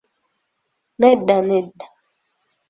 Nedda, nedda!